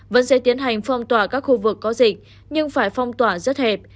vẫn sẽ tiến hành phong tỏa các khu vực có dịch nhưng phải phong tỏa rất hẹp